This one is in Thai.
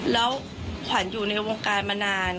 แล้วขวัญอยู่ในวงการมานาน